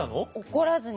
怒らずに？